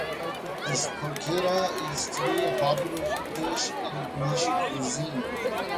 The porchetta is today a popular dish in Venetian cuisine.